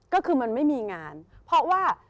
ก็คือมันไม่มีงานเพราะว่า